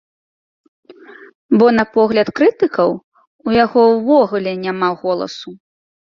Бо на погляд крытыкаў, у яго ўвогуле няма голасу!